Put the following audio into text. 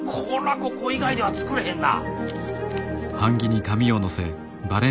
ここ以外では作れへんな。